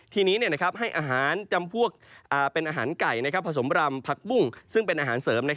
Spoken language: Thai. ทีนี้ให้อาหารจำพวกเป็นอาหารไก่ผสมรำผักบุ้งซึ่งเป็นอาหารเสริม